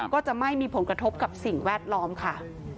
ก็จะไม่มีผลกระทบกับสิ่งแวดล้อมค่ะ